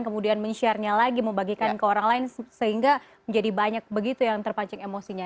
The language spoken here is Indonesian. kemudian men share nya lagi membagikan ke orang lain sehingga menjadi banyak begitu yang terpancing emosinya